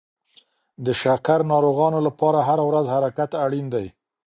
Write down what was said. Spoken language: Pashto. د شکر ناروغانو لپاره هره ورځ حرکت اړین دی.